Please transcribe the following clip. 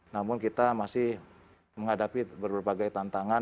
namun kita masih menghadapi berbagai tantangan